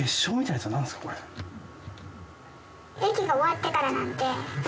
液が終わってからなので。